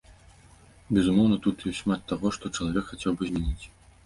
Безумоўна, тут ёсць шмат таго, што чалавек хацеў бы змяніць.